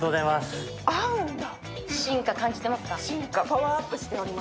合うんだ！